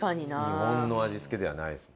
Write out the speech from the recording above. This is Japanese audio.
日本の味付けではないですね。